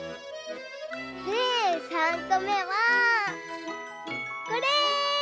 でさんこめはこれ！